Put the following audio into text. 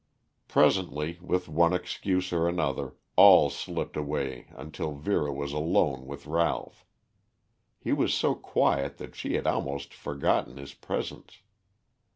Presently, with one excuse or another, all slipped away until Vera was alone with Ralph. He was so quiet that she had almost forgotten his presence.